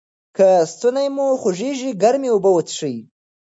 که ستونی مو خوږیږي ګرمې اوبه وڅښئ.